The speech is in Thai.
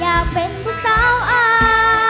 อยากเป็นผู้สาวอา